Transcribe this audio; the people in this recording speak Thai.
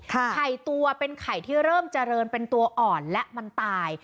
ไข่ตัวเป็นไข่ที่เริ่มเจริญเป็นตัวอ่อนและมันตาย